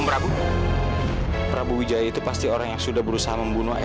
biar aku aja yang bantu kamu keluar